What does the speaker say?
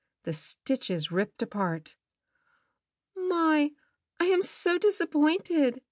The stitches ripped apart. "My, I am so disappointed!"